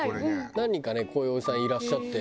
何人かねこういうおじさんいらっしゃって。